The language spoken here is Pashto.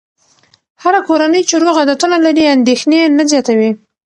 هره کورنۍ چې روغ عادتونه لري، اندېښنې نه زیاتوي.